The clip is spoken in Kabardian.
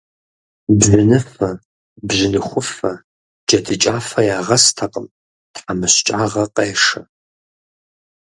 Бжьыныфэ, бжьыныхуфэ, джэдыкӏафэ ягъэстэкъым, тхьэмыщкӏагъэ къешэ.